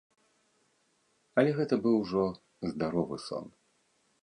Але гэта быў ужо здаровы сон.